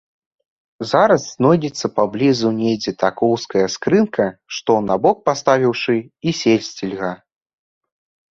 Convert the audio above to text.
Зараз знойдзецца паблізу недзе такоўская скрынка, што, на бок паставіўшы, і сесці льга.